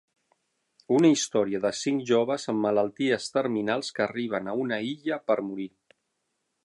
Una història de cinc joves amb malalties terminals que arriben a una illa per morir.